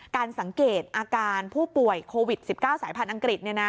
การสังเกตอาการผู้ป่วยโควิด๑๙สายพันธุ์อังกฤษเนี่ยนะ